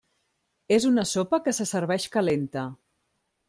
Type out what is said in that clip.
És una sopa que se serveix calenta.